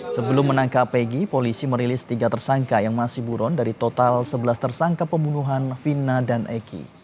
sebelum menangkap egy polisi merilis tiga tersangka yang masih buron dari total sebelas tersangka pembunuhan vina dan eki